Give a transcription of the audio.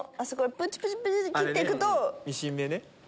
プチプチプチって切っていくと。